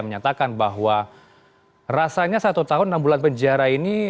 menyatakan bahwa rasanya satu tahun enam bulan penjara ini